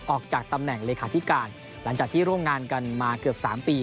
ออกจากตำแหน่งเลขาธิการหลังจากที่ร่วมงานกันมาเกือบ๓ปี